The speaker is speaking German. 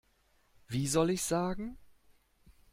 Wie soll ich sagen?